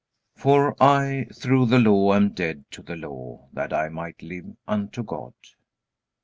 For I through the law am dead to the law, that I might live unto God.